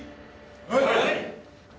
はい！